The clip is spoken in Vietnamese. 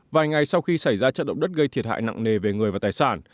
vài ngày sau khi xảy ra trận động đất gây thiệt hại nặng nề về người và tài sản